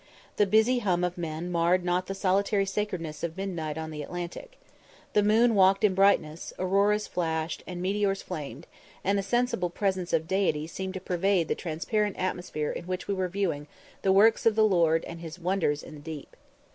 The busy hum of men marred not the solitary sacredness of midnight on the Atlantic. The moon "walked in brightness," auroras flashed, and meteors flamed, and a sensible presence of Deity seemed to pervade the transparent atmosphere in which we were viewing "the works of the Lord, and his wonders in the deep."